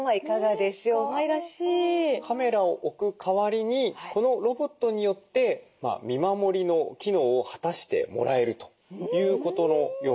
カメラを置く代わりにこのロボットによって見守りの機能を果たしてもらえるということのようなんですけれども。